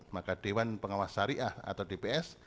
maka dewan pengawas syariah atau dps